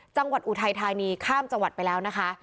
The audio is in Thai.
จังหวัดอุทัยทายนีข้ามจังหวัดไปแล้วนะคะ